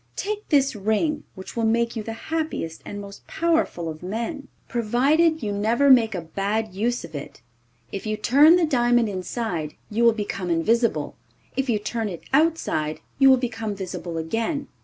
Take this ring, which will make you the happiest and most powerful of men, provided you never make a bad use of it. If you turn the diamond inside, you will become invisible. If you turn it outside, you will become visible again.